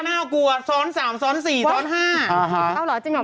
มาเลยครับเพียก